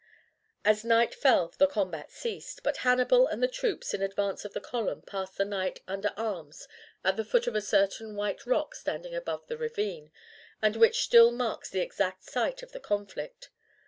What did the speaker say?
As night fell the combat ceased, but Hannibal and the troops in advance of the column passed the night under arms at the foot of a certain white rock standing above the ravine, and which still marks the exact site of the conflict.